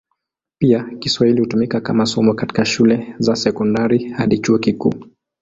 Pia Kiswahili hutumika kama somo katika shule za sekondari hadi chuo kikuu.